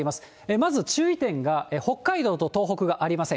まず注意点が、北海道と東北がありません。